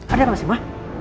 ada apa sih ma